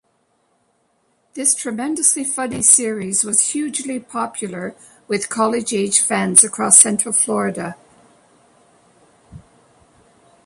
This tremendously funny series was hugely popular with college aged fans across Central Florida.